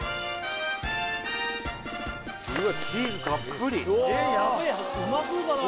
うわチーズたっぷりうわうまそうだな